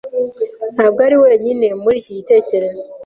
Ntabwo ari wenyine muri iki gitekerezo.